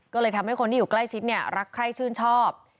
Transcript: ก็เลยทำให้คนที่อยู่ใกล้ชิดเนี่ยรักใคร้ชื่นชอบ